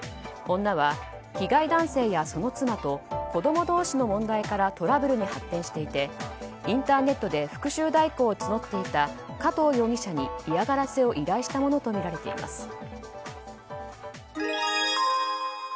女は、被害男性やその妻と子供同士の問題からトラブルに発展していてインターネットで復讐代行を募っていた加藤容疑者に嫌がらせを依頼したものとみられています。